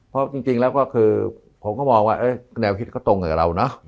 เพราะจริงแล้วก็คือผมก็มองว่าแนวคิดก็ตรงกับเราเนอะ